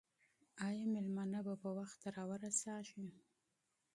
آیا مېلمانه به په وخت راورسېږي؟